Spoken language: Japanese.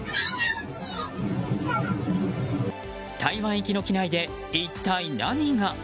台湾行きの機内で一体何が？